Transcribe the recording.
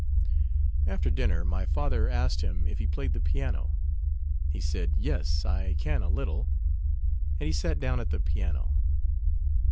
After dinner my father asked him if he played the piano. He said, "Yes, I can a little," and he sat down at the piano.